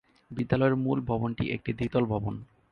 বিদ্যালয়ের মূল ভবনটি একটি দ্বিতল ভবন।